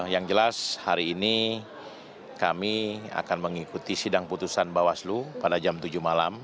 yang jelas hari ini kami akan mengikuti sidang putusan bawaslu pada jam tujuh malam